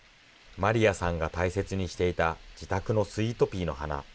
マリヤさんが大切にしていた、自宅のスイートピーの花。